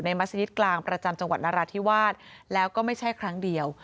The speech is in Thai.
มัศยิตกลางประจำจังหวัดนราธิวาสแล้วก็ไม่ใช่ครั้งเดียว